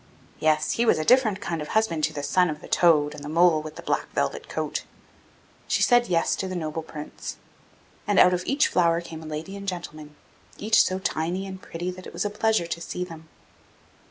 Yes! he was a different kind of husband to the son of the toad and the mole with the black velvet coat. So she said 'Yes' to the noble Prince. And out of each flower came a lady and gentleman, each so tiny and pretty that it was a pleasure to see them.